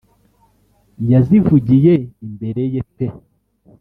yazivugiye imbere ye pe